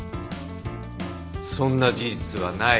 そんな事実はない。